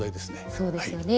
そうですよね。